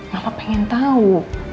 mama pengen tahu